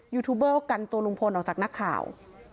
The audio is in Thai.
ยูทูบเบอร์ก็กันตัวลุงพลออกจากนักข่าว